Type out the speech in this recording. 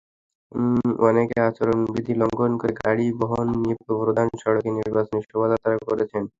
অনেকে আচরণবিধি লঙ্ঘন করে গাড়ির বহর নিয়ে প্রধান সড়কে নির্বাচনী শোভাযাত্রাও করছেন।